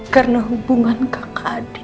karena hubungan kakak adik